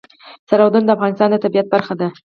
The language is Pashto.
سرحدونه د افغانستان د طبیعت برخه ده.